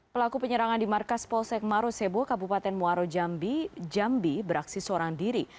pelaku penyerangan di markas polsek marosebo kabupaten muaro jambi jambi beraksi seorang diri